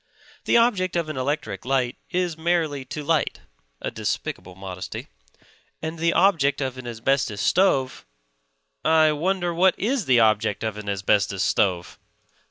The object of an electric light is merely to light (a despicable modesty); and the object of an asbestos stove... I wonder what is the object of an asbestos stove?